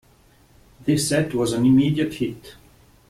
This set was an immediate hit.